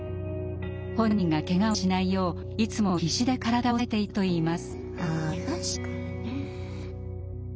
本人がけがをしないよういつも必死で体を押さえていたといいます。